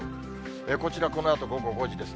こちら、このあと午後５時です。